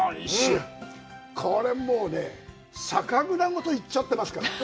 これ、もうね、酒蔵ごといっちゃってますから。